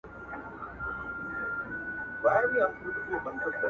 o وخته تا هر وخت د خپل ځان په لور قدم ايښی دی.